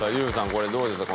これどうですか？